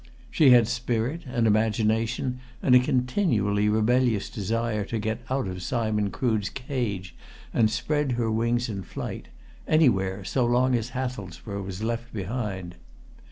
She had spirit and imagination and a continually rebellious desire to get out of Simon Crood's cage and spread her wings in flight anywhere, so long as Hathelsborough was left behind.